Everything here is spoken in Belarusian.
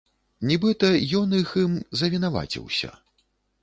Нібыта, ён іх ім завінаваціўся.